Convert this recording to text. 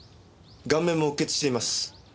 顔面もうっ血しています。